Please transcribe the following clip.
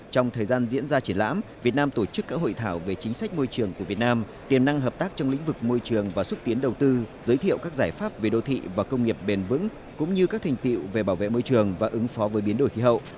trong thời gian diễn ra triển lãm việt nam tổ chức các hội thảo về chính sách môi trường của việt nam tiềm năng hợp tác trong lĩnh vực môi trường và xúc tiến đầu tư giới thiệu các giải pháp về đô thị và công nghiệp bền vững cũng như các thành tiệu về bảo vệ môi trường và ứng phó với biến đổi khí hậu